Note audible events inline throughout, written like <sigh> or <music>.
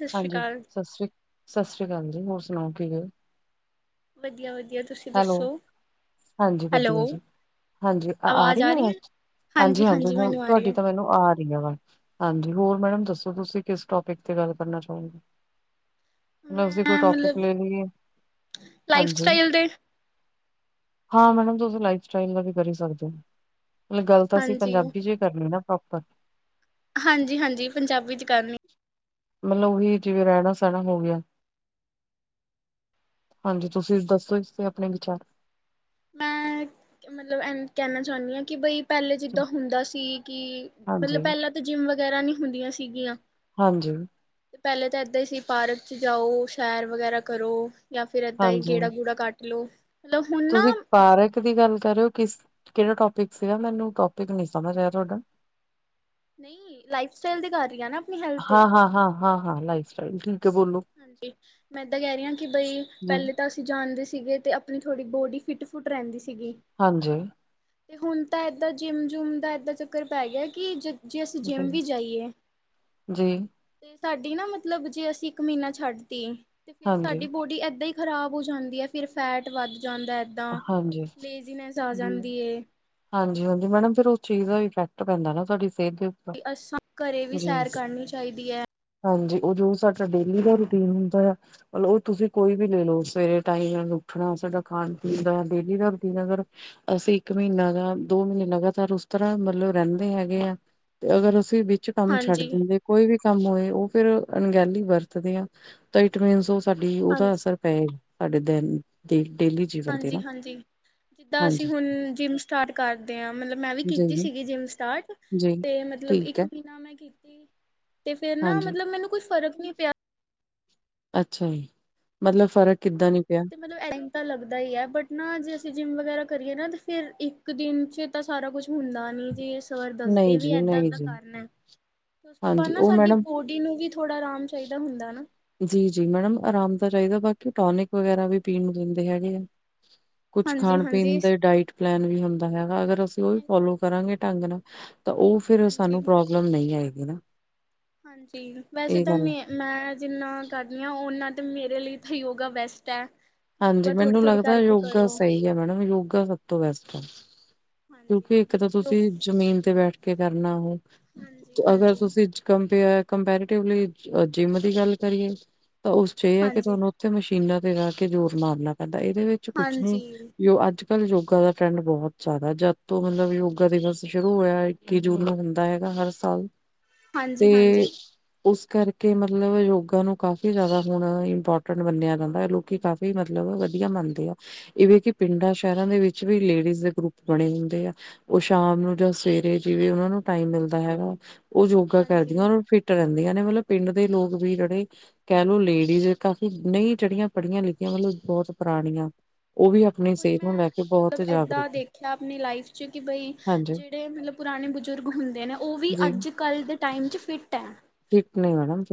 ਸਤਿ ਸ਼੍ਰੀ ਹਾਂਜੀ ਅਕਾਲ ਸਤਿ ਸ੍ਰੀ ਸਤਿ ਸ੍ਰੀ ਅਕਾਲ ਜੀ ਹੋਰ ਸੁਣਾਓ ਕਿਵੇਂ ਓ ਵਧੀਆ ਵਧੀਆ ਤੁਸੀਂ ਹੈਲੋ ਦੱਸੋ ਹਾਂਜੀ ਹੈਲੋ ਵਧੀਆ ਜੀ ਹਾਂਜੀ ਆ ਆਵਾਜ਼ ਰੀ ਰਹੀ ਹੈ ਵਾਜ ਹਾਂਜੀ ਹਾਂਜੀ-ਹਾਂਜੀ ਹਾਂਜੀ ਹੁਣ ਮੈਨੂੰ ਆ ਰਹੀ ਤੁਹਾਡੀ ਹੈ ਤਾਂ ਮੈਨੂੰ ਆ ਹਾਂਜੀ ਹੋਰ ਮੈਡਮ ਦੱਸੋ ਤੁਸੀਂ ਕਿਸ ਟੋਪਿਕ ਤੇ ਗੱਲ ਕਰਨਾ ਚਾਓਗੇ ਮਿਊਜ਼ਿਕ ਮੈਂ ਟੋਪਿਕ ਮਤਲਬ ਲੈ ਲੀਏ ਲਾਈਫ ਹਾਂਜੀ। ਸਟਾਈਲ ਦੇ ਹਾਂ ਮੈਡਮ ਤੁਸੀਂ ਲਾਈਫ ਸਟਾਈਲ ਦਾ ਵੀ ਕਰੀ ਸਕਦੇ ਓ ਮਤਲਬ ਗੱਲ ਤਾਂ ਅਸੀਂ ਹਾਂਜੀ ਪੰਜਾਬੀ ਚ ਈ ਕਰਨੀ ਨਾ ਪ੍ਰੋਪਰ ਹਾਂਜੀ-ਹਾਂਜੀ ਪੰਜਾਬੀ ਚ ਕਰਨੀ ਮਤਲਬ ਓਹੀ ਜਿਵੇਂ ਰੈਣਾ ਸੈਣਾ ਹੋ ਗਿਆ ਹਾਂਜੀ ਤੁਸੀਂ ਦੱਸੋ ਇਸਦੇ ਆਪਣੇ ਵਿਚਾਰ ਮੈਂ ਮਤਲਬ ਐਵੇਂ ਕਹਿਣਾ ਚਾਹੁੰਦੀ ਹਾਂ ਕਿ ਬਈ? ਪਹਿਲੇ ਜਿੱਦਾਂ ਹੁੰਦਾ ਸੀ ਕਿ ਮਤਲਬ ਹਾਂਜੀ ਪਹਿਲਾਂ ਤਾਂ ਜਿੰਮ ਵਗੈਰਾ ਨਹੀਂ? ਹੁੰਦੀਆਂ ਸੀਗੀਆਂ। ਹਾਂਜੀ। ਪਹਿਲੇ ਤਾਂ ਏਦਾਂ ਹੀ ਸੀ ਪਾਰਕ ਚ ਜਾਓ ਸੈਰ ਵਗੈਰਾ ਕਰੋ? ਜਾਂ ਫਿਰ ਇੱਦਾਂ ਹੀ ਹਾਂਜੀ ਗੇੜਾ ਗੂੜਾ ਕੱਟ ਲੋ। ਤੁਸੀਂ ਪਾਰਕ ਦੀ ਗੱਲ? ਕਰਉ ਕਿਸ ਕਿਹੜਾ ਟੋਪਿਕ ਸੀਗਾ ਮੈਨੂੰ ਟੋਪਿਕ ਨੀ ਸਮਝ ਆਇਆ ਤੁਹਾਡਾ? ਨਹੀਂ ਲਾਈਫ ਸਟਾਈਲ ਦੀ ਕਰ ਰਹੀ ਆ ਨਾ ਆਪਣੀ ਹੈਲਥ ਤੇ? ਹਾਂ ਹਾਂ ਹਾਂ ਹਾਂ ਹਾਂ ਲਾਈਫ ਸਟਾਈਲ ਠੀਕ। ਹੈ ਬੋਲੋ ਹਾਂਜੀ ਮੈਂ ਇਦਾਂ ਕਹਿ ਰਹੀ ਹਾਂ ਕਿ ਬਈ ਜੀ ਪਹਿਲੇ ਤਾਂ ਅਸੀਂ ਜਾਣਦੇ ਸੀ? ਸੀਗੇ ਤੇ ਆਪਣੀ ਥੋੜੀ ਬੋਡੀ ਫਿਟ ਫੁੱਟ ਰਹਿੰਦੀ ਸੀ? ਹਾਂਜੀ। ਤੇ ਹੁਣ ਤਾਂ ਏਦਾਂ ਜਿੰਮ ਜੁਮ ਦਾ ਏਦਾਂ ਚੱਕਰ ਪੈ ਗਿਆ ਕਿ ਜਦੋਂ? ਜੇ ਅਸੀਂ ਜੀ ਜਿੰਮ ਵੀ ਜਾਈਏ ਹੂੰ ਜੀ ਹੂੰ। ਸਾਡੀ ਨਾ ਮਤਲਬ ਜੇ ਅਸੀਂ? ਇੱਕ ਮਹੀਨਾ ਛੱਡ ਤੀ? ਤੇ ਫੇਰ ਹਾਂਜੀ ਸਾਡੀ ਬੋਡੀ ਏਦਾਂ ਹੀ। ਖ਼ਰਾਬ ਹੋ ਜਾਂਦੀ ਹੈ ਫਿਰ ਫੈਟ ਵੱਧ? ਜਾਂਦਾ ਏਦਾਂ ਹਾਂਜੀ ਲੇਜ਼ੀਨੈਸ ਆ ਜੀ ਜਾਂਦੀ ਏ ਹਾਂਜੀ ਮੈਡਮ ਫੇਰ। ਚੀਜ਼ ਦਾ ਇਫੈਕਟ ਪੈਂਦਾ ਨਾ ਸਾਡੀ? ਕੀ ਅਸਾ ਘਰੇ ਵੀ ਸੈਰ ਕਰਨੀ ਚਾਹੀਦੀ ਹੈ? ਹਾਂਜੀ ਉਹ ਜੋ ਸਾਡਾ ਡੇਲੀ ਦਾ ਰੂਟੀਨ ਹੁੰਦਾ ਆ ਮਤਲਬ ਉਹ ਤੁਸੀਂ ਕੋਈ ਵੀ ਲੈ ਲਓ ਸਵੇਰੇ ਟਾਈਮ ਉੱਠਣਾ ਸਾਡਾ ਖਾਣ? ਪੀਣਾ ਡੇਲੀ ਦਾ ਰੁਟੀਨ ਅਗਰ ਅਸੀਂ ਇੱਕ ਮਹੀਨਾ ਜਾ ਦੋ ਮਹੀਨੇ ਲਗਾਤਾਰ ਉਸ ਤਰ੍ਹਾਂ ਮਤਲਬ ਰਹਿੰਦੇ ਹੈਗੇ ਆ ਤੇ ਅਗਰ ਅਸੀਂ? ਵਿੱਚ ਕੰਮ ਛੱਡ ਹਾਂਜੀ ਦਿੰਦੇ ਕੋਈ ਵੀ? ਕੰਮ ਹੋਏ ਉਹ ਫੇਰ ਅਣਗਹਿਲੀ ਵਰਤਦੇ ਆ ਤਾਂ ਇਟ ਮਿਜ ਉਹ। ਸਾਡੀ ਹਾਂਜੀ ਉਹਦਾ ਅਸਰ ਪਏ ਸਾਡੇ ਤੇ। ਪੈਂਦੀ ਡੇਲੀ। ਜੀਵਨ ਤੇ ਹਾਂਜੀ ਨਾ ਹਾਂਜੀ ਜਿੱਦਾਂ ਅਸੀਂ ਹਾਂਜੀ ਹੁਣ ਜਿੰਮ ਸਟਾਰਟ ਕਰਦੇ ਹਾਂ ਮਤਲਬ ਮੈਂ ਵੀ ਕੀਤੀ ਜੀ ਸੀਗੀ ਜਿੰਮ ਸਟਾਰਟ ਜੀ ਤੇ ਮਤਲਬ ਠੀਕ ਹੈ ਇੱਕ ਮਹੀਨਾ ਮੈਂ? ਤੇ ਫੇਰ ਨਾ ਹਾਂਜੀ ਮਤਲਬ ਮੈਨੂੰ ਕੋਈ ਫਰਕ? ਨਹੀਂ ਪਿਆ? ਅੱਛਾ ਜੀ ਮਤਲਬ ਫ਼ਰਕ। ਕਿੱਦਾਂ ਨੀ ਪਿਆ ਤੇ ਮੈਨੂੰ ਐਦਾ ਲੱਗਦਾ ਯਾਰ ਬਟ ਨਾ ਜੇ ਅਸੀਂ ਜਿੰਮ ਵਗੈਰਾ। ਕਰੀਏ ਨਾ ਤੇ ਫੇਰ ਇੱਕ ਦਿਨ ਚ ਤਾਂ ਸਾਰਾ ਕੁਝ ਹੁੰਦਾ ਨੀ? ਫੇਰ ਸਰ ਨਹੀਂ ਦੱਸਦੇ ਵੀ ਜੀ ਏਦਾਂ ਨਹੀਂ ਏਦਾਂ ਜੀ ਕਾਰਨ ਹੈ। ਕੁਛ ਕਪਲ ਹਾਂਜੀ ਨਾ ਉਹ ਸਾਡੀ ਮੈਡਮ ਬੋਡੀ ਨੂੰ ਵੀ ਥੋੜਾ ਆਰਾਮ ਚਾਹੀਦਾ ਹੁੰਦਾ ਨਾ ਜੀ ਜੀ ਮੈਡਮ ਆਰਾਮ ਦਾ ਚਾਹੀਦਾ ਬਾਕੀ ਟੋਨਿਕ ਵਗੈਰਾ ਵੀ ਪੀ ਨੂੰ ਦਿੰਦੇ ਹੈਗੇ ਆ ਕੁਛ ਖਾਣ ਪੀਣ ਹਾਂਜੀ-ਹਾਂਜੀ। ਦੇ ਡਾਇਟ ਪਲੈਨ ਵੀ ਹੁੰਦਾ ਹੈਗਾ ਅਗਰ ਅਸੀਂ ਉਹ ਵੀ ਹਾਂਜੀ। ਫੋਲੋ ਕਰਾਂਗੇ। ਢੰਗ ਨਾਲ ਤਾਂ ਉਹ ਫਿਰ ਹਾਂਜੀ ਸਾਨੂੰ ਪ੍ਰੋਬਲਮ ਨਹੀਂ ਆਏ। ਹਨ ਨਾ ਹਾਂਜੀ ਵੈਸੇ ਇਹ ਤਾਂ ਗੱਲ ਮੈਂ ਮੈਂ ਜਿੰਨਾ ਕਰਨਦੀਆ ਉਹਨਾਂ ਦੀ ਅਤੇ ਮੇਰੇ ਲਈ ਇੱਥੇ ਯੋਗਾ ਬੈਸਟ ਹੈ। ਹਾਂਜੀ ਯੋਗਾ ਥੋੜ੍ਹੀ ਮੈਨੂੰ ਥੋੜ੍ਹੀ ਲੱਗਦਾ ਕਰਕੇ ਯੋਗਾ ਕਰੋ ਸਹੀ ਹੈ ਮੈਡਮ ਯੋਗਾ ਸਭ ਤੋਂ ਬੈਸਟ ਥੈਂਕ ਹਾਂਜੀ ਕਿਉਂਕਿ ਇੱਕ ਤਾਂ ਯੋ ਤੁਸੀਂ ਜ਼ਮੀਨ ਤੇ ਬੈਠ ਕੇ ਕਰਨਾ ਹੋ। ਹਾਂਜੀ ਅਗਰ ਹਾਂਜੀ ਤੁਸੀਂ ਕੰਪ ਕੰਪੈਰੇਟਿਵਲੀ ਜਿੰਮ ਦੀ ਗੱਲ ਕਰੀਏ ਤਾਂ ਉਸ ਚ ਇਹ ਹੈ ਕਿ ਹਾਂਜੀ ਤੁਹਾਨੂੰ ਉਥੇ ਪੀਨਾ ਤੇ ਮਾਰ ਕੇ ਜ਼ੋਰ ਮਾਰਨਾ ਪੈਂਦਾ ਇਹਦੇ ਵਿੱਚ ਕੁਛ ਨੀ ਹਾਂਜੀ ਜੋ ਅੱਜ ਕ ਯੋਗਾ ਦਾ ਟਰੈਂਡ ਬਹੁਤ ਜ਼ਿਆਦਾ ਜਦ ਤੋਂ ਮਤਲਬ ਯੋਗਾ ਦਿਵਸ ਸ਼ੁਰੂ ਹੋਇਆ ਇੱਕੀ ਜੂਨ ਨੂੰ ਹੁੰਦਾ ਹੈਗਾ ਹਰ ਸਾਲ ਹਾਂਜੀ ਤੇ ਹਾਂਜੀ ਉਸ ਕਰਕੇ ਮਤਲਬ ਯੋਗਾ ਨੂੰ ਕਾਫੀ ਜ਼ਿਆਦਾ ਹੁਣ ਇੰਪੋਰਟੈਂਟ ਮੰਨਿਆ ਜਾਂਦਾ ਹੈ ਲੋਕੀ ਕਾਫੀ ਮਤਲਬ ਵਧੀਆ ਮੰਨਦੇ ਆ ਇਵੇਂ ਕਿ ਪਿੰਡਾਂ ਸ਼ਹਿਰਾਂ ਦੇ ਵਿੱਚ ਵੀ ਲੇਡੀਜ਼ ਦੇ ਗਰੁੱਪ ਬਣੇ ਉਹ ਸ਼ਾਮ ਨੂੰ ਜਾਂ ਸਵੇਰੇ ਜਿਵੇਂ ਉਹਨਾ ਨੂੰ ਟਾਈਮ ਮਿਲਦਾ ਹੈਗਾ ਉਹ ਯੋਗਾ ਕਰਦੀਆਂ ਹਾਂਜੀ ਉਹ ਫਿਟ ਰਹਿੰਦੀਆਂ ਨੇ ਮਤਲਬ ਪਿੰਡ ਦੇ ਲੋਕ ਵੀ ਜਿਹੜੇ ਕਹਿ ਲਓ ਲੇਡੀਜ਼ ਕਾਫੀ ਨਹੀਂ ਜਿਹੜੀਆਂ ਪੜ੍ਹੀਆਂ ਲਿਖੀਆਂ ਮਤਲਬ ਬਹੁਤ ਪੁਰਾਣੀਆਂ ਉਹ ਵੀ ਆਪਣੀ ਹੁਣ ਸਿਹਤ ਨੂੰ ਮੈਂ ਲੈ ਕੇ ਬਹੁਤ ਮਤਲਬ ਜਾਗਰੂਕ ਏਦਾਂ ਦੇਖਿਆ ਆਪਣੀ ਲਾਈਫ 'ਚ ਕਿ ਬਾਈ ਹਾਂਜੀ ਜਿਹੜੇ ਮਤਲਬ ਪੁਰਾਣੇ ਬਜ਼ੁਰਗ ਹੁੰਦੇ ਨੇ ਉਹ ਵੀ ਜੀ ਅੱਜ ਕੱਲ੍ਹ ਦੇ ਟਾਈਮ 'ਚ ਫਿੱਟ ਹੈ। ਇੱਕ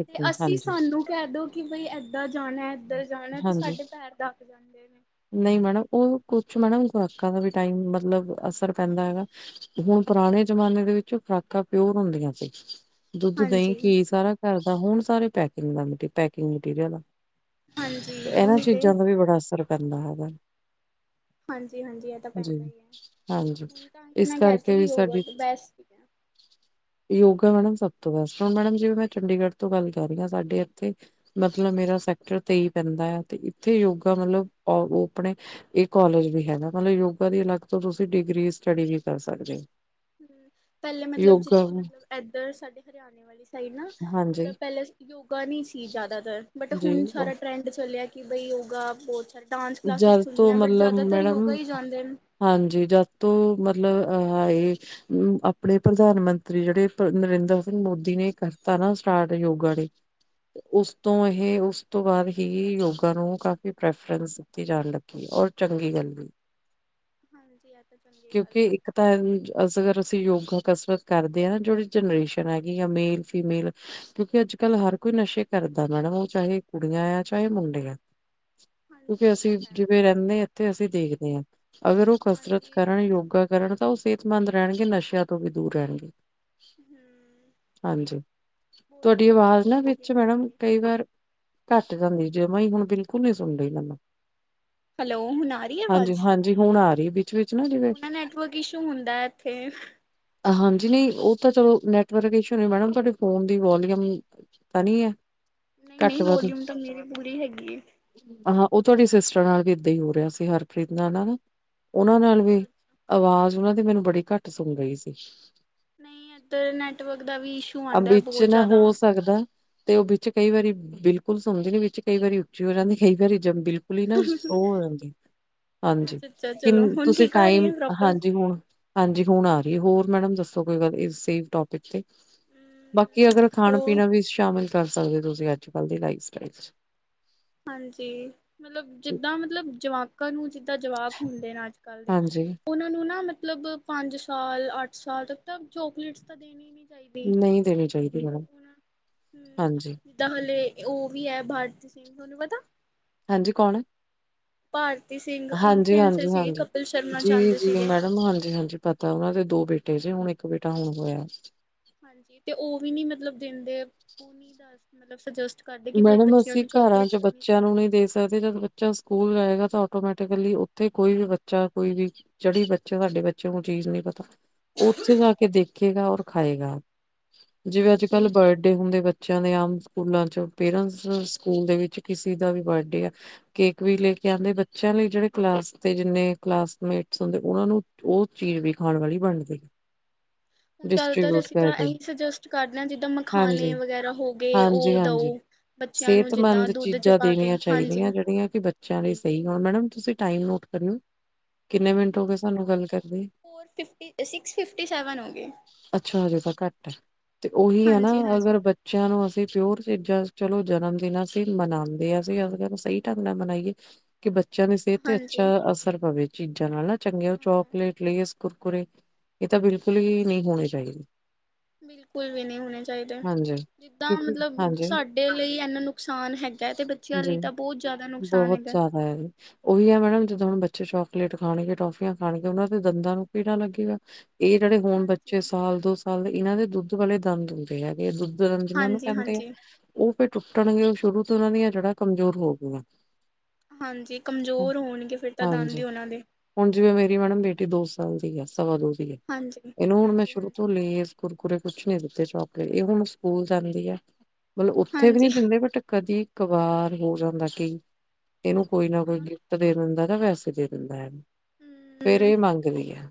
ਤੇ ਅਸੀਂ ਸਾਨੂੰ ਕਹਿ ਦੋ ਕਿ ਬਈ ਏਦਾਂ ਜਾਣਾ ਇੱਧਰ ਜਾਣਾ ਤੇ ਹਾਂਜੀ ਸਾਡੇ ਪੈਰ ਥਕ ਜਾਂਦੇ ਆ ਨਹੀਂ ਮੈਡਮ ਉਹ ਕੁਛ ਮੈਡਮ ਖੁਰਾਕਾਂ ਦਾ ਵੀ ਟਾਈਮ ਮਤਲਬ ਅਸਰ ਪੈਂਦਾ ਹੈਗਾ ਹੁਣ ਪੁਰਾਣੇ ਜਮਾਨੇ ਦੇ ਵਿੱਚ ਖੁਰਾਕਾਂ ਪਿਓਰ ਹੁੰਦੀਆਂ ਸੀ ਦੁੱਧ ਦਹੀਂ ਹਾਂਜੀ ਘੀ ਸਾਰਾ ਘਰ ਦਾ ਹੁਣ ਸਾਰੇ ਪੈਕਿੰਗ ਦਾ ਮਟੀ ਪੈਕਿੰਗ ਮਟੀਰੀਅਲ ਹਾਂਜੀ ਤੇ ਇਹਨਾਂ ਉਹੀ ਤੇ ਚੀਜ਼ਾਂ ਦਾ ਵੀ ਬੜਾ ਅਸਰ ਕਰਦਾ ਹੈਗਾ ਹਾਂਜੀ ਹਾਂਜੀ ਇਹ ਤਾਂ ਜੀ ਪੈਂਦਾ ਹੀ ਹੈ ਹਾਂਜੀ। ਹ ਤਾਂ ਇਸ ਮੈਂ ਕਹਿ ਰੀ ਸੀ ਕਰਕੇ ਕਿ ਵੀ ਯੋਗਾ ਸਾਡੀ ਤੋਂ ਬੈਸਟ ਯੋਗਾ ਮੈਡਮ ਸਬ ਤੋਂ ਬੈਸਟ ਹ ਮੈਡ ਜਿਵੇ ਮੈਂ ਚੰਡੀਗੜ੍ਹ ਤੋਂ ਗੱਲ ਕਰ ਰਹੀ ਹਾਂ ਸਾਡੇ ਇੱਥੇ ਮਤਲਬ ਮੇਰਾ ਸੈਕਟਰ ਤੇਈ ਪੈਂਦਾ ਆ ਤੇ ਥੇ ਯੋਗਾ ਹਾਂਜੀ ਮਤਲਬ ਆਪਣੇ ਇਹ ਕੋਾਲਜ ਵੀ ਹੈਗਾ ਮਤਲਬ ਯੋਗਾ ਦੀ ਅਲੱਗ ਤੋਂ ਤੁਸੀਂ ਡਿਗਰੀ ਸਟੱਡੀ ਵੀ ਕਰ ਸਕਦੇ ਹੋ ਪਹਿਲੇ ਮਤਲਬ ਜ ਯੋਗਾ ਮਤਲਬ ਇੱਧਰ ਸਾਡੇ ਹਰਿਆਣੇ ਵਾਲੀ ਸਾਈਡ ਨਾ ਹਾਂਜੀ, ਮਤਲਬ ਪਹਿਲਾਂ ਯੋਗਾ ਨਹੀਂੀ ਸੀ ਜ਼ਿਆਦਾਤਰ ਬਟ ਜੀ ਹੁਣ ਸਾਰਾ ਟਰੈਂਡ ਚੱਲਿਆ ਕਿ ਬਾਈ ਯੋਗਾ ਬਹੁਤ ਸਾਰੇ ਡਾਂਸ ਕਲਾਸਿਸ ਜਦ ਤੋਂ ਖੁੱਲ੍ਹੀਆਂ ਬਟ ਮਤਲਬ ਜ਼ਿਆਦਾਤਰ ਯੋਗਾ ਮੈਡਮ ਹੀ ਜਾਂਦੇ ਨੇ ਹਾਂਜੀ ਜਦ ਤੋਂ ਮਤ ਲਬ ਇਹ ਆਪਣੇ ਪ੍ਰਧਾਨ ਮੰਤਰੀ ਜਿਹੜੇ ਪ ਨਰਿੰਦਰ ਸਿੰਘ ਮੋਦੀ ਨੇ ਕਰਤਾ ਨਾ ਸਟਾਰਟ ਯੋਗਾ ਡੇ ਉਸ ਤੋਂ ਇਹ ਉਸ ਤੋਂ ਬਾਅਦ ਹੀ ਯੋਗਾ ਨੂੰ ਕਾਫ਼ੀ ਪ੍ਰੈਫਰੈਂਸ ਦਿਤੀ ਜਾਣ ਲੱਗੀ ਔਰ ਚੰਗੀ ਗੱਲ ਵੀ ਹਾਂਜੀ ਇਹ ਤਾਂ ਚੰਗੀ ਗੱਲ ਕਿਉਂਕਿ ਹੈ ਇੱਕ ਤਾਂ ਅਸਗਰ ਅਸੀਂ ਯੋਗਾ ਕਸਰਤ ਕਰਦੇ ਹਾਂ ਨਾ ਜਿਹੜੀ ਜਨਰੇਸ਼ਨ ਹੈਗੀ ਆ ਮੇਲ ਫੀਮੇਲ ਕਿਉਂਕਿ ਅੱਜ ਕੱਲ ਹਰ ਕੋਈ ਨਸ਼ੇ ਕਰਦਾ ਮੈਡਮ ਉਹ ਚਾਹੇ ਕੁੜੀਆਂ ਆ ਚਾਹੇ ਮੁੰਡੇ ਆ ਹਾਂਜੀ ਕਿਉਂਕਿ ਇਹ ਤਾਂ ਅਸੀਂ ਹੈ ਜਿਵੇਂ ਰਹਿੰਦੇ ਹਾਂ ਇੱਥੇ ਅਸੀਂ ਦੇਖਦੇ ਹਾਂ ਅਗਰ ਉਹ ਕਸਰਤ ਹਾਂਜੀ ਕਰਨ ਯੋਗਾ ਕਰਨ ਤਾਂ ਉਹ ਸਿਹਤਮੰਦ ਰਹਿਣਗੇ ਨਸ਼ਿਆਂ ਤੋਂ ਵੀ ਦੂਰ ਰਹਿਣਗੇ ਹਮ ਹਾਂਜੀ ਬੋਡੀ ਤੁਹਾਡੀ ਥੋੜੀ ਆਵਾਜ਼ ਫਿਟ ਨਾ ਰਹੂਗੀ ਵਿੱਚ ਉਹਨਾਂ ਦੀ ਮੈਡਮ ਵੀ ਕਈ ਵਾਰ ਘੱਟ ਜਾਂਦੀ ਜਮਾਂ ਹੀ ਹੁਣ ਬਿਲਕੁਲ ਨਹੀਂੀ ਸੁਣ ਰਹੀ ਮੈਨੂੰ ਹੈਲੋ ਹੁਣ ਆ ਰਹੀ ਹੈ ਹਾਂਜੀ ਆਵਾਜ਼ ਹਾਂਜੀ ਹੁਣ ਆ ਰਹੀ ਵਿੱਚ ਵਿੱਚ ਜਿਵੇਂ ਉਹ ਨਾ ਨੈਟਵਰਕ ਇਸ਼ੂ ਹੁੰਦਾ ਇੱਥੇ ਹਾਂਜੀ ਨਹੀਂ ਉਹ ਤਾਂ ਚਲੋ ਨੈਟਵਰਕ ਇਸ਼ੂ ਨੇ ਮੈਡਮ ਤੁਹਾਡ ਫੋਨ ਦੀ ਵੋਲੀਅਮ ਤਾਂ ਨਹੀਂ ਹੈ ਨਹੀਂ ਘੱਟ ਨਹੀਂ ਵੱਧ ਵੋਲੂਮ ਤਾਂ ਮੇਰੇ ਪੂਰੀ ਹੈਗੀ ਹੈ ਹਾਂ ਉਹ ਤੁਹਾਡੀ ਸਿਸਟਰ ਨਾਲ ਵੀ ਏਦਾਂ ਹੀ ਹੋ ਰਿਹਾ ਸੀ ਹਰਪ੍ਰੀਤ ਨਾਲ ਨਾ ਉਹਨਾਂ ਨਾਲ ਵੀ ਅੱਛਾ-ਅੱਛਾ-ਅੱਛਾ। ਆਵਾਜ਼ ਉਹਨਾਂ ਮੈਨੂੰ ਬੜੀ ਘੱਟ ਸੁਣ ਰਹੀ ਸੀ ਨਹੀਂ ਇੱਧਰ ਨੈਟਵਰਕ ਦਾ ਵੀ ਇਸ਼ੂ ਆ ਆਉਂਦਾ ਵਿੱਚ ਬਹੁਤ ਨਾ ਜ਼ਿਆਦਾ ਹੋ ਸਕਦਾ ਤੇ ਉਹ ਵਿੱਚ ਕਈ ਵਾਰੀ ਬਿਲਕੁਲ ਸੁਣਦੀ ਨੀ ਵਿੱਚ ਕਈ ਵਾਰੀ ਉੱਚੀ ਹੋ ਜਾਂਦੀ ਕਈ ਵਾਰੀ ਬਿਲਕੁਲ ਹੀ ਨਾ ਉਹ ਹੋ ਜਾਂਦੀ ਹਾਂਜੀ ਅੱਛਾ-ਅੱਛਾ ਕਿ ਚਲੋ ਹੁਣ ਤੁਸੀਂ ਠੀਕ ਆ ਰਹੀ ਟਾਈਮ ਹੈ ਪ੍ਰੋਪਰ ਹਾਂਜੀ ਹੁਣ ਹਾਂਜੀ ਹੁਣ ਆ ਰਹੀ ਹੋਰ ਮੈਡਮ ਦੱਸੋ ਕੋਈ ਗੱਲ ਇਸ ਸੇਮ ਟੋਪਿਕ ਤੇ ਬਾਕੀ ਅਗਰ ਖਾਣਾ ਹੋਰ ਪੀਣਾ ਵੀ ਸ਼ਾਮਿਲ ਕਰ ਸਕਦੇ ਔ ਤੁਸੀਂ ਅੱਜ ਕੱਲ ਦੀ ਲਾਈਫ ਸਟਾਈਲ ਚ ਹਾਂਜੀ ਮਤਲਬ ਜਿੱਦਾਂ ਮਤਲਬ ਜਵਾਕ <inaudible> ਦਾ ਜਵਾਕ ਹੁੰਦੇ ਨੇ ਅੱਜ ਕੱਲ੍ਹ ਦੇ ਹਾਂਜੀ ਉਹਨਾਂ ਨੂੰ ਨਾ ਮਤਲ ਮਤਲਬ ਪੰਜ ਸਾਲ ਅੱਠ ਸਾਲ ਤ ਤਾਂ ਚੋਕਲੇਟਸ ਤਾਂ ਦੇਣੇ ਹੀ ਨ ਨਹੀਂ ਦੇਣੀ ਚਾਹੀਦੀ ਮੈਮ ਹੂੰ ਹਾਂਜੀ ਜਿੱਦਾਂ ਹਲੇ ਉਹ ਵੀ ਹੈ ਭਾਟ ਤੁਹਾਨੂੰ ਪਤਾ ਹਾਂਜੀ ਕੌਣ ਭਾਰਤੀ ਸਿੰਘ ਹਾਂਜੀ- ਇਨਫਲੂਐਂਸਰ ਹਾਂਜੀ ਸੀਗੇ -ਹਾਂਜੀ ਕਪਿਲ ਸ਼ਰਮਾ ਚ ਜੀ ਆਂਦੇ ਜੀ ਸੀਗੇ। ਮੈਡਮ ਹਾਂਜੀ- ਹਾਂਜੀ ਪਤਾ ਉਹਨਾਂ ਦੇ ਦੋ ਬੇਟੇ <inaudible> ਬੇਟਾ ਹੋਣ ਹੋਇ ਹਾਂਜੀ ਤੇ ਉਹ ਵੀ ਨੀ ਮਤਲਬ ਦਿੰਦੇ ਉਹ ਨੀ ਦ ਮਤਲਬਜ ਮੈਡਮ ਅਸੀਂ ਘਰਾਂ ਚ ਬੱਚਿਆਂ ਨੂੰ ਚਾਹੀਦੀ ਨਹੀਂ ਹੈ। ਦੇ ਸਕਦੇ ਜਦ ਬੱਚਾ ਸਕੂਲ ਜਾਏਗਾ ਤਾਂ ਆਟੋਮੈਟ ਉੱਥੇ ਕੋਈ ਵੀ ਬੱਚਾ ਕੋਈ ਵੀ ਜਿਹੜੀ ਬੱਚੇ ਸਾਡੇ ਬੱਚੇ ਨੂੰ ਚੀਜ਼ ਨਹੀਂ ਪਤਾ ਉੱਥੇ ਜਾ ਕੇ ਦੇਖੇਗਾ ਔਰ ਖਾਏਗਾ ਜਿਵੇਂ ਅੱਜ ਹਾਂਜੀ ਕੱਲ੍ਹ ਹੁਣ ਬਰਡੇ ਹੁੰਦੇ ਬੱਚੇ ਬੱਚ ਨੇ ਆਮ ਸਕੂਲਾਂ ਚੋਂ ਪੇਰੈਂਟਸ ਸਕੂਲ ਦੇ ਵਿੱਚ ਕਿਸੇ ਦਾ ਵੀ ਬਰਡੇ ਆ ਕੇਕ ਵੀ ਲੈ ਕੇ ਆਉਂਦੇ ਬੱਚਿਆਂ ਲਈ ਜਿਹੜੇ ਕਲਾਸ ਦੇ ਜਿੰਨੇ ਕਲਾਸਮੇਟਸ ਹੁੰਦੇ ਉਹਨਾਂ ਨੂੰ ਉਹ ਚੀਜ਼ ਵੀ ਖਾਣ ਵਾਲੀ ਬਣਦੀ ਆ ਹੁਣ ਜ਼ਿਆਦਾਤਰ ਅਸੀਂ ਤਾਂ ਇਹੀ ਸੁਜੈਸਟ ਕਰਦੇ ਹਾਂ ਜਿੱਦਾਂ ਮਖਾਨਣੇ ਹਾਂਜੀ, ਵਗੈਰਾ ਹੋ ਗਏ ਹਾਂਜੀ, ਉਹ ਦਉ ਹਾਂਜੀ। ਸਿਹਤਮੰਦ ਚੀਜ਼ਾਂ ਦੇਣੀਆਂ ਹਾਂਜੀ। ਚਾਹੀਦੀਆਂ ਜਿਹੜੀਆਂ ਕਿ ਬੱਚਿਆਂ ਲਈ ਸਹੀ ਹਣ ਮੈਡਮ ਤੁਸੀਂ ਟਾਈਮ ਨੋਟ ਕਰਓ ਕਿੰਨੇ ਮਿੰਟ ਹੋ ਗ ਹਾਂਜੀ ਮੈਂ ਸਾਨੂੰ ਕਰ ਗੱਲ ਰਿਹਾ ਕਰਦੀ four fifty six fifty seven ਹੋ ਗਏ। ਅੱਛਾ ਹਜੇ ਤਾਂ ਘੱਟ ਤੇ ਉਹੀ ਹੈ ਨਾ ਹਾਂਜੀ ਹਾਂਜੀ ਅਗਰ ਬੱਚਿਆਂ ਨੂੰ ਅਸੀਂ ਪਿਓਰ ਚੀਜ਼ਾਂ ਚਲੋ ਜਨਮ ਦਿਨ ਅਸੀਂ ਮਨਾਉਂਦੇ ਹਸੀ ਅ ਨੂੰ ਸਹੀ ਢੰਗ ਨਾਲ ਮਨਾਈਏ ਕਿ ਬ ਬੱਚਿਆਂ ਦੀ ਸਿਹਤ ਤੇ ਅੱਛਾ ਹਾਂਜੀ ਅਸਰ ਪਵੇ ਚੀਜ਼ਾਂ ਨਾਲ ਨਾ ਚੰਗੇ ਉਹ ਹਾਂ ਚੋਕਲੇਟ ਲਈ ਕੁਰਕੁਰਰੇ ਇਹ ਤਾਂ ਬਿਲਕੁਲ ਹੀ ਨਹੀਂ ਹੋਣੇ ਚਾਹੀਦੇ ਬਿਲਕੁਲ ਵੀ ਨਹੀਂ ਹੋਣੇ ਚਾਹੀਦੇ ਹਾਂਜੀ ਜਿੱਦਾਂ ਕਿਉਂਕਿ ਮਤਲਬ ਹਾਂਜੀ ਸਾਡੇ ਲਈ ਇਨਾ ਨੁਕਸਾਨ ਹੈਗਾ ਤੇ ਬੱਚਿਆਂ ਜੀ ਲਈ ਤਾਂ ਬਹੁਤ ਜ਼ਿਆਦਾ ਨੁਕਸਾਨ ਬਹੁਤ ਹੈਗਾ ਜ਼ਿਆਦਾ ਹੈ ਜੀ। ਉਹੀ ਆ ਮੈਡਮ ਜਿੱਦਾਂ ਹੁਣ ਬੱਚੇ ਚੋਕਲੇਟ ਖਾਣਗੇ ਟੋਫੀਆਂ ਖਾਣਗੇ ਉਹਨਾਂ ਦੇ ਦੰਦਾਂ ਨੂੰ ਕੀੜਾ ੜਾ ਲੱਗੇਗਾ ਇਹ ਜਿਹੜੇ ਹੋਣ ਬੱਚੇ ਹਾਂਜੀ ਸਾਲ ਦੋ ਸਾਲ ਦੇ ਇਹਨਾਂ ਦੇ ਦੁੱਧ ਵਾਲੇ ਦੰਦ ਹੁੰਦੇ ਹ ਇਹ ਦੁੱਧ ਰੰਜਨਾਂ ਨੂੰ ਕਹਿੰਦੇ ਹਾਂਜੀ-ਹਾਂਜੀ, ਹਾਂਜੀ ਆ ਟੁੱਟਣਗੇ ਉਹ ਸ਼ੁਰੂ ਤੋਂ ਉਹਨਾਂ ਦੀਆਂ ਜੜਾ ਕਮਜ਼ੋਰ ਹੋ ਗਈਆਂ ਹਾਂਜੀ ਹਾਂ, ਕਮਜ਼ੋਰ ਹੋਣਗੇ ਫਿਰ ਤਾਂ ਦਨ ਹਾਂਜੀ, ਉਹਨਾਂ ਦੇ <inaudible> ਸਵਾਦੋਦੀ ਹੈ ਹਾਂਜੀ। ਇਹਨੂੰ ਹੁਣ ਮੈਂ ਹਾਂਜੀ-ਹਾਂਜੀ, ਸ਼ੁਰੂ ਤੋਂ ਹਾਂਜੀ ਲ ਕੁਰਕੁਰਰੇੇ ਕੁਛ ਨੀ ਦੀ ਤੇ ਚੋਕਲੇਟ ਇਹ ਹੁਣ ਸਕੂਲ ਜਾਂਦੀ ਆ ਮਤਲਬ ਉੱਥੇ ਵੀ ਹਾਂਜੀ ਨਹੀਂ ਦਿੰਦੇ ਬਟ ਕਦੀ? ਕਬਾਰ ਹੋ ਜਾਂਦਾ ਕਈ। ਇਹਨੂੰ ਕੋਈ ਨਾ ਹਾਂ ਕੋਈ ਗਿਫਟ ਦੇ ਦਿੰਦਾ? ਜਾ ਵੈਸੇ ਦੇ ਦਿੰਦਾ ਹੈ? ਫੇਰ ਹੂੰ। ਇਹ ਮੰਗ। ਮੰਗਦੀ ਆ।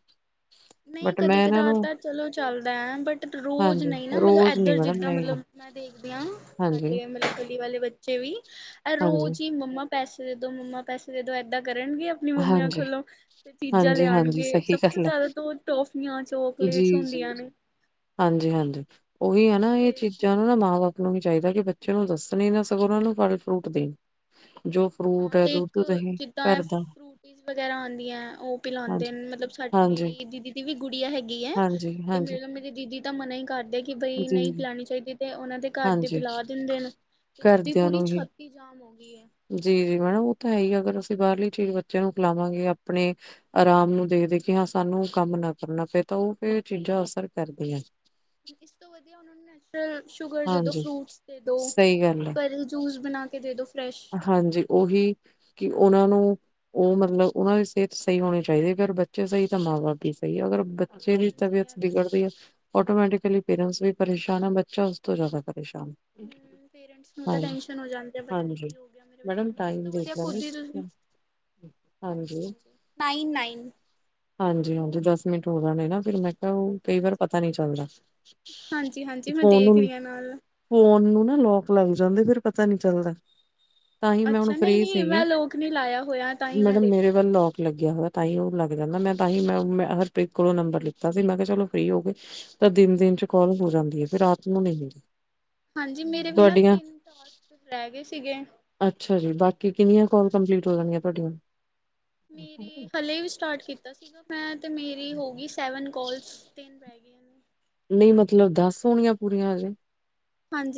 ਨਹੀਂ ਕਦੇ ਇਹਨਾਂ ਕਦਾਰ ਨੂੰ ਤਾਂ ਚਲੋ ਚੱਲਦਾ ਹੈ ਬਟ ਰੋਜ਼ ਹਾਂਜੀ ਨਹੀਂ ਨਾ ਮਤਲਬ ਰੋਜ਼ ਨੀ ਇੱਧਰ ਮੈਡਮ ਜਿੱਦਾਂ ਨਹੀਂ ਮਤਲਬ ਮੈਂ ਦੇਖਦੀ ਹਾਂ? ਹਾਂਜੀ ਸਾਡੇ ਮਤਲਬ ਗਲੀ ਵਾਲੇ ਬੱਚੇ ਵੀ ਇਹ ਹਾਂਜੀ ਰੋਜ਼ ਹੀ ਮੰਮਾ? ਪੈਸੇ ਦੇ ਦੋ ਮੰਮਾ ਪੈਸੇ ਦੇਦੋ ਏਦਾਂ? ਕਰਨਗੇ ਆਪਣੀ ਮੰਮੀਆਂ ਹਾਂਜੀ ਕੋਲੋਂ ਤੇ ਚੀਜ਼ਾਂ ਹਾਂਜੀ ਹਾਂਜੀ ਲਿਆਉਣਗੇ ਸਹੀ ਸਭ ਤੋਂ ਗੱਲ ਹੈ ਜ਼ਿਆਦਾ। ਟੋਫੀਆਂ ਜੀ ਚੋਕਲੇਟਸ ਜੀ ਹੁੰਦੀਆਂ ਨੇ। ਹਾਂਜੀ ਹਾਂਜੀ। ਉਹੀ ਹੈ ਨਾ ਇਹ ਫਿਰ ਚੀਜ਼ਾਂ ਨੂੰ ਨਾ ਮਾਂ ਬਾਪ। ਨੂੰ ਵੀ ਚਾਹੀਦਾ ਕਿ ਬੱਚੇ ਨੂੰ ਦੱਸਣ ਹੀ ਨਾ ਸਗੋਂ ਉਹ ਨੂੰ ਫਲ ਫਰੂਟ ਦੇ? ਜੋ ਫਰੂਟ ਹੈ ਦੁੱਧ ਦਹੀਂ ਘਰ ਦਾ। ਚੀਜ਼ ਵਗੈਰਾ ਆਉਂਦੀਆਂ ਉਹ ਪਿਲਾਉਂਦੇ ਹਾਂਜੀ ਨੇ ਮਤਲਬ ਸਾਡੀ ਹਾਂਜੀ ਮੇਰੀ ਦੀਦੀ ਦੀ ਵੀ ਗੁੜੀਆ ਹੈਗੀ ਹੈ ਹਾਂਜੀ ਹਾਂਜੀ ਉਹਨਾਂ ਨੂੰ ਮੇਰੀ ਦੀਦੀ ਤਾ। ਮਨਾ ਹੀ ਕਰ। ਦਿੰਦੇ ਕਿ ਬਈ ਜੀ ਨਹੀਂ ਪਿਲਾਉਣੀ ਚਾਹੀਦੀ ਤੇ ਉਹਨਾਂ ਦੇ? ਘਰ ਦੇ ਹਾਂਜੀ ਪਿਲਾ ਦਿੰਦੇ ਨੇ ਤੇ ਉਹਦੀ ਘਰਦਿਆਂ ਪੂਰੀ ਛਾਤੀ ਜਾਮ ਹੋ ਗਈ ਹੈ? ਤੇ ਮੈਡਮ ਉਹ ਤਾਂ ਹੈ ਹੀ ਅਗਰ ਅਸੀਂ ਬਾਹਰਲੀ ਚੀਜ਼ ਬੱਚਿਆਂ ਨੂੰ ਖਿਲਾਵਾਂਗੇ ਆਪਣੇ ਆਰਾਮ ਨੂੰ ਦੇਖਦੇ ਕਿ ਹਾਂ ਸਾਨੂੰ ਕੰਮ ਨਾ ਕਰਨਾ ਪਏ ਤਾਂ ਉਹ ਫੇਰ ਚੀਜ਼ਾਂ ਅਸਰ ਕਰਦੀਆਂ। ਇਸ ਤੋਂ ਵਧੀਆ ਉਹਨਾਂ ਨੂੰ? ਸ਼ੂਗਰ ਦੇ ਦੋ ਹਾਂਜੀ। ਫਰੂਟਸ ਦੇ ਦੋ ਸਹੀ ਗੱਲ ਹੈ, ਘਰੇ ਜੂਸ ਬਣਾ ਕੇ ਦੇ ਦੋ। ਫਰੈਸ਼ ਹਾਂਜੀ ਉਹੀ ਕਿ। ਉਹਨਾਂ ਨੂੰ ਉਹ ਮਤਲਬ ਉਹਨਾਂ ਦੀ ਸਿਹਤ ਸਹੀ ਹੋਣੀ ਚਾਹੀਦੀ ਅਗਰ ਬੱਚੇ ਸਹੀ ਤਾਂ ਮਾਂ ਬਾਪ ਹੀ ਸਹੀ ਅਗਰ ਜਿਹੜੀ ਹਾਂਜੀ ਤਬੀਅਤ ਐ ਤਾਂ ਸਈ ਬਗੜਦੀ ਹੈ ਆਟੋਮੈਟਿਕਲੀ ਪੇਰੈਂਟਸ ਵੀ ਪਰੇਸ਼ਾਨ ਆ ਬੱਚਾ ਉਸ ਤੋਂ ਜ਼ਿਆਦਾ ਪਰੇਸ਼ਾਨ ਹੂੰ ਪੇਰੈਂਟਸ ਨੂੰ ਤਾਂ ਹਾਂਜੀ। ਟੈਸ਼ਨ ਹੋ ਜਾਂਦੀ ਆ ਪਤਾ ਨੀ ਹਾਂਜੀ ਕੀ ਹੋ ਗਿਆ? ਮੇਰੇ ਬੱਚੇ ਮੈਡਮ ਨੂੰ ਇਸ ਟਾਈਮ ਤੋਂ ਦੇਖ ਵਧੀਆ ਲਾਜੀ ਖੁਦ ਈ ਤੁਸੀਂ ਹਾਂਜੀ ਹਾਂਜੀ ਹਾਂਜੀ-ਹਾਂਜੀ ਨਾਈਨ-ਨਾਈਨ ਹਾਂਜੀ ਦਸ ਇੱਕ ਮਿੰਟ ਉਹ ਨਾ ਨੇ ਨਾ ਫਿਰ ਮੈਂ ਫੇਰ ਉਹ ਕਈ ਵਾਰ ਹਾਂਜੀ ਪਤਾ ਨੀ ਚੱਲਦਾ, ਹਾਂਜੀ-ਹਾਂਜੀ ਮੈਂ ਫੋਨ ਦੇਖ ਨੂੰ, ਰਹੀ ਹਾਂ ਨਾਲ ਫੋਨ ਨੂੰ ਨਾ ਲੋਕ ਲੱ ਜਾਂਦੇ ਫੇਰ ਪਤਾ ਨੀ ਚੱਲਦਾ ਤਾਂਹੀ ਮੈਂ ਹੁਣ ਅੱਛਾ ਫਰੀ ਨਹੀਂ-ਨਹੀਂ ਸੀਗੀ। ਮੈਂ ਲੋਕ ਨੀ ਲਾਇਆ ਹੋਇਆ ਤਾਂ ਹੀ ਮੈਂ ਮੈਡਮ ਮੇਰੇ ਦੇਖਿਆ ਵੱਲ ਲੌਕ ਲੱਗਿਆ ਹੋਇਆ ਤਾਂਹੀ ਉਹ। ਲੱਗ ਜਾਂਦਾ ਮੈਂ ਤਾਂਹੀ ਮੈਂ ਹਰਪ੍ਰੀਤ ਕੋਲੋਂ ਨੰਬਰ ਲਿੱਤਾ ਸੀ ਮੈਂ ਕਿਹਾ ਚਲੋ ਫ੍ਰਰੀ ਹੋ ਗੇ ਤਾਂ ਦਿਨ-ਦਿਨ ਚ ਕੋਲ ਹੋ ਜਾਂਦੀ ਐ ਫਿਰ ਰਾਤ ਨੂੰ ਨੀ ਹੁੰਦੀ। ਹਾਂਜੀ ਮੇਰੇ ਵੀ ਨਾ ਤੁਹਾਡੀਆਂ ਤਿੰਨ ਟਾਸਕ ਰੈ ਗੇ ਸੀਗੇ ਅੱਛਾ ਜੀ ਬਾਕੀ ਕਿੰਨੀਆਂ ਕੋਲ ਹਾਂਜੀ ਕੰਪਲੀਟ ਹੋ ਜਾਣਗੀਆਂ ਤੁਹਾਡੀਆਂ ਮੇਰੀ ਹਲੇੇ ਵੀ ਸਟਾਰਟ ਕੀਤਾ ਸੀਗਾ <unintelligible> ਤੇ ਮੇਰੀ ਹੋ ਗੀ ਸੈਵਨ ਕੋਲਸ ਤਿੰਨ ਰੈ <unintelligible> ਨਈ ਮਤਲਬ ਦੱਸ ਹੋਣੀਆਂ ਪੂਰੀਆਂ ਹਜੇ ਹਾਂਨ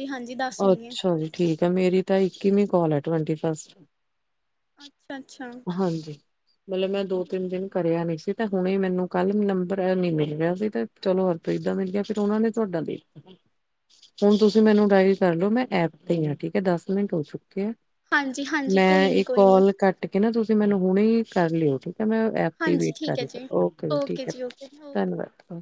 ਅੱਛਾ ਜੀ ਠੀਕ ਫੇਰ ਮੇਰੀ ਤਾਂ ਇੱਕੀਵੀਂ ਕੋਲ ਐ, ਟਵਾਂਟੀ ਫਸਟ ਅੱਛਾ-ਅੱਛਾ ਹਾਂਜੀ। ਮਤਲਬ ਮੈਂ ਦੋ ਤਿੰਨ ਦਿਨ ਕਰਿਆ ਨੀ ਸੀ ਤੇ ਹੁਣੇ ਮੈਨੂੰ ਕੱਲ ਨੰਬਰ ਨ ਮਿਲ ਰਿਆ ਸੀ ਤੇ ਚਲੋ ਹਰਪ੍ਰੀਤ ਦਾ ਮਿਲ ਗਿਆ ਫਿਰ ਉਨਾ ਨੇ ਤੁਹਾਡਾ ਦੇ ਦਿੱਤਾ ਹੁਣ ਤੁਸੀਂ ਮੈਨੂੰ ਅੱਛਾ-ਅੱਛਾ ਢਈ ਮੈਂ ਐਪ ਤੇ ਈ ਆ ਠੀਕ ਐ ਦਸ ਮਿੰਟ ਹੋ ਚੁੱ <unintelligible> ਕੇ ਹਾਂਜੀ-ਹਾਂਜੀ ਮੈਂ ਕੋਈ ਏ ਨੀ ਕੋਈ ਨੀ ਕੋਲ ਕੱਟ ਕੇ ਨਾ ਤੁ ਤੁਸੀਂ ਮੈਨੂੰ ਹੁਣੀ ਕਰ ਲਿਓ ਤੇ ਤੇ ਮੈਂ ਐਪ ਤੇ ਈ ਹਾਂਜੀ ਵੇਟ ਕਰ ਠੀਕ ਹੈ ਰਹੀ ਜੀ ਓਕੇ ਜੀ ਠੀਕ ਐ ਧੰਨਵਾਦ ਓ